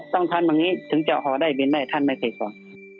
ต้องทานแบบนี้ถึงจะออกออกได้บินได้ท่านไม่เคยสอน